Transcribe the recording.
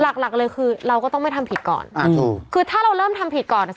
หลักหลักเลยคือเราก็ต้องไม่ทำผิดก่อนอ่าถูกคือถ้าเราเริ่มทำผิดก่อนอ่ะ